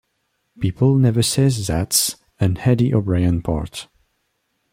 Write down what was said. People never say 'that's an Eddie O'Brien part.